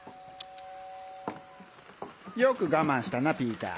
よく我慢したなピーター。